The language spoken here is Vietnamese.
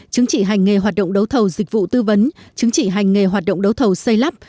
chứng chỉ hành nghề hoạt động đấu thầu dịch vụ tư vấn chứng chỉ hành nghề hoạt động đấu thầu xây lắp